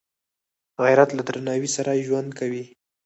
غیرت له درناوي سره ژوند کوي